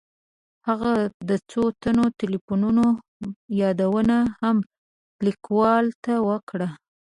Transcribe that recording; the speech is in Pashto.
هغه د څو تنو تیلیفونونو یادونه هم لیکوال ته وکړه.